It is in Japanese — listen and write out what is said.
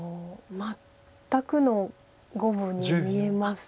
全くの五分に見えます。